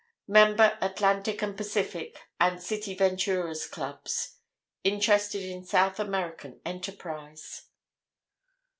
Member Atlantic and Pacific and City Venturers' Clubs. Interested in South American enterprise."